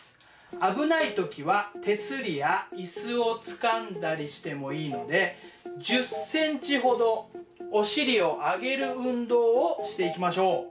危ない時は手すりや椅子をつかんだりしてもいいので１０センチほどお尻をあげる運動をしていきましょう。